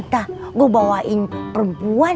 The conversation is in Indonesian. saya bawa perempuan